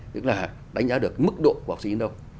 tức là đánh giá được mức độ của học sinh đến đâu